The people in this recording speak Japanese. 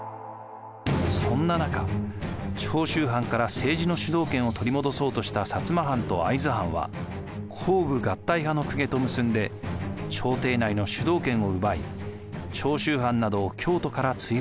そんな中長州藩から政治の主導権を取り戻そうとした摩藩と会津藩は公武合体派の公家と結んで朝廷内の主導権を奪い長州藩などを京都から追放しました。